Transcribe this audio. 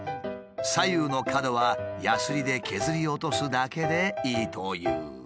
左右の角はやすりで削り落とすだけでいいという。